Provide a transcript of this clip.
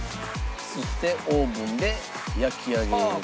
そしてオーブンで焼き上げます。